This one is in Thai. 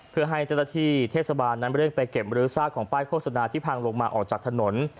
เพื่อให้เจราะที่เทศบาลนำเรื่องไปเก็บบริษัทของป้ายโฆษณาที่พังลงมาออกจากถนน